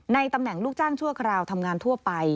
ตำแหน่งลูกจ้างชั่วคราวทำงานทั่วไป